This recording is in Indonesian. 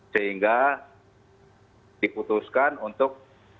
sehingga diputuskan untuk